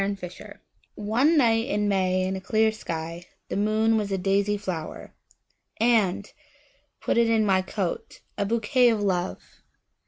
My Flower ONE night in May in a clear skyThe moon was a daisy flower:And! put it in my coat,A bouquet of Love!